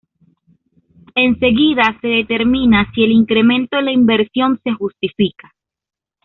Enseguida se determina si el incremento en la inversión se justifica.